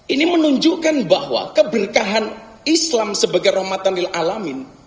ini menunjukkan bahwa keberkahan islam sebagai rahmatan lil alamin